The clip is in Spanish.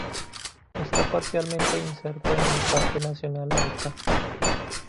Está parcialmente inserto en el Parque Nacional Lauca.